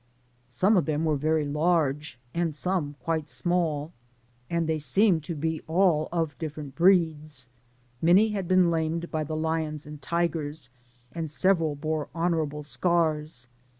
Some of them were very large, and some quite small, and they seemed to be all of different breeds; many had been lamed by the lions and tigers, and several bore honourable scars.